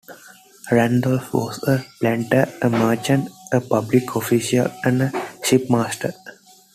Randolph was a planter, a merchant, a public official, and a shipmaster.